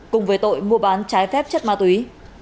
cùng với tội mua bán trái phép chất ma túy